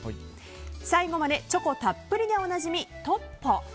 最後までチョコたっぷりでおなじみ、トッポ。